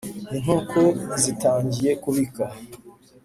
inkoko zitangiye kubika